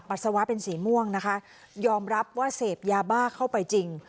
สาวะเป็นสีม่วงนะคะยอมรับว่าเสพยาบ้าเข้าไปจริง